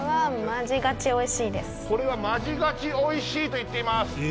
これはマジガチ美味しいと言っています。